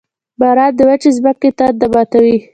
• باران د وچې ځمکې تنده ماتوي.